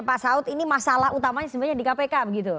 pak saud ini masalah utamanya sebenarnya di kpk begitu